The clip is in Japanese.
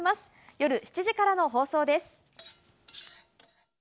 夜７時からの放送です。